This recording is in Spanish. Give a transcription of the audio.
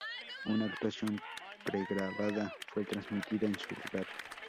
Una actuación pregrabada fue transmitida en su lugar.